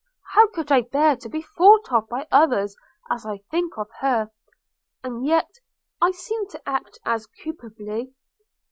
How could I bear to be thought of by others as I think of her! and yet I seem to act as culpably.